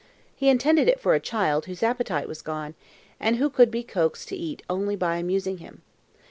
He intended it for a child whose appetite was gone, and who could be coaxed to eat only by amusing him.